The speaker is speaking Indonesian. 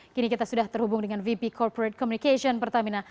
kini kita sudah terhubung dengan vp corporate communication pertamina